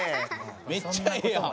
めっちゃええやん。